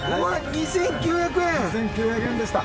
２，９００円でした。